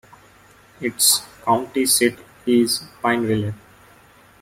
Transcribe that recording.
Its county seat is Pineville.